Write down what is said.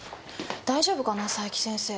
大丈夫かな佐伯先生。